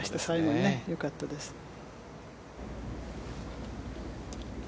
最後にね、よかったです。